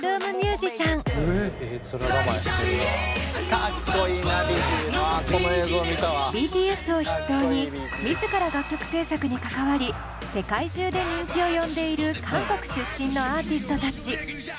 今回はＢＴＳを筆頭に自ら楽曲制作に関わり世界中で人気を呼んでいる韓国出身のアーティストたち。